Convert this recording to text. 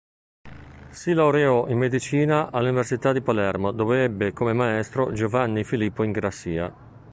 Si laureò in medicina all'Università di Palermo dove ebbe come maestro Giovanni Filippo Ingrassia.